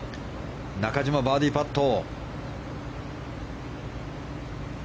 中島、バーディーパット。